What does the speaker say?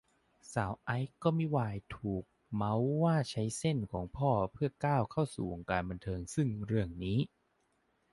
สาวไอซ์ก็มิวายถูกเมาท์ว่าใช้เส้นของพ่อเพื่อก้าวเข้าสู่วงการบันเทิง ซึ่งเรื่องนี้